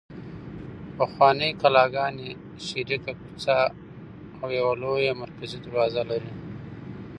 پخوانۍ کلاګانې شریکه کوڅه او یوه لویه مرکزي دروازه لري.